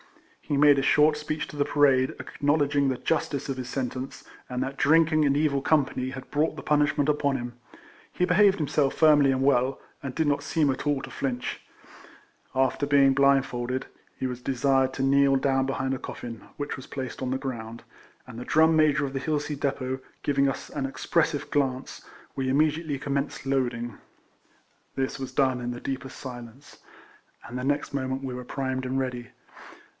He made a short speech to the parade, acknowledging the justice of his sentence, and that drinking and evil com pany had brought the punishment upon him. He behaved himself firmly and well, and did not seem at all to flinch. After being blindfolded, he was desired to kneel down behind a coflin, which was placed on the ground, and the Drum Major of the Hilsea depot, giving us an expressive glance, we immediately co mmenced loading. b RECOLLECTIONS OF This was done in the deepest silence, and, the next moment, we were primed and ready.